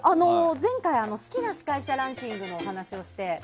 前回好きな司会者ランキングのお話をして。